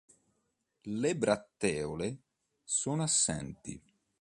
Le bratteole sono assenti.